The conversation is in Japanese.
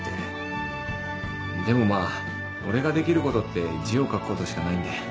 でもまあ俺ができることって字を書くことしかないんで。